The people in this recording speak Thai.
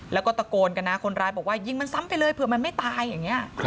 แล้วก็ตะโกนกันนะคนร้ายบอกว่ายิงมันซ้ำไปเลยเผื่อมันไม่ตายอย่างนี้